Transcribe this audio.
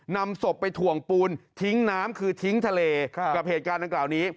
นำศพไปถ่วงปูนทิ้งน้ำคือทิ้งทะเลกับเหตุการณ์ดังกล่าวนี้